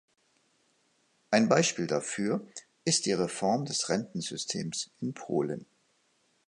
Ein Beispiel dafür ist die Reform des Rentensystems in Polen.